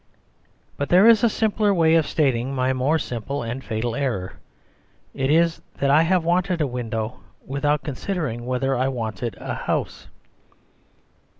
But there is a simpler way of stating my more simple and fatal error. It is that I have wanted a window, without considering whether I wanted a house.